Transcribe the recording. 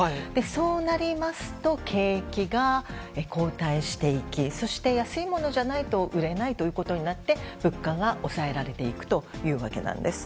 そうなりますと景気が後退していきそして安いものじゃないと売れないということになって物価が抑えられていくというわけなんです。